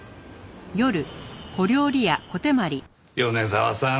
米沢さん